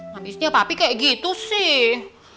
habisnya papi kayak gitu sih